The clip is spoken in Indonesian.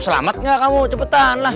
selamat gak kamu cepetan lah